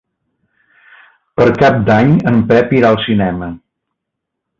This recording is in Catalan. Per Cap d'Any en Pep irà al cinema.